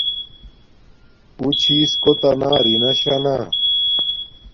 اُݸ چھݵس کݸتݳ نݳ رِنݳ شݳ نݳ.